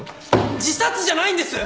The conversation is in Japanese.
自殺じゃないんです！